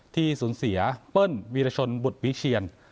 ที่สูญเสียเปิ้ลวีรชนบุตรวิเชียน